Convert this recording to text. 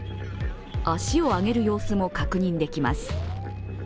足を上げる様子も確認できます。